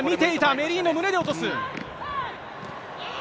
メリノ、胸で落とす。